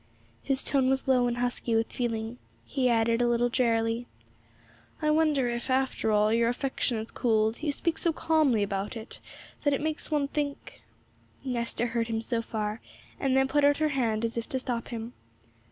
His tone was low and husky with feeling. He added, a little drearily, 'I wonder, after all, if your affection has cooled; you speak so calmly about it all, that it makes one think ' Nesta heard him so far, and then put out her hand as if to stop him.